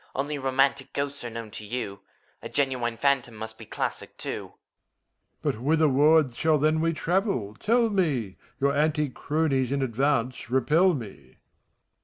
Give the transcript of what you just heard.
Only romantic ghosts are known to you ; A genuine phantom must be classic too. MEPHISTOPHELES. But whitherward shall then we travel, tell me! Your antique cronies in advance repel me.